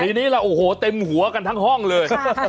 ทีนี้เราเต็มหัวกันทั้งห้องเลย